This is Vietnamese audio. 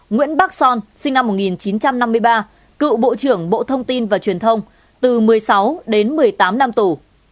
nguyễn bắc son sinh năm một nghìn chín trăm năm mươi ba cựu bộ trưởng bộ thông tin và truyền thông từ một mươi sáu đến một mươi tám năm tù